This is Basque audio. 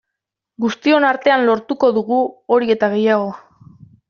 Guztion artean lortuko dugu hori eta gehiago.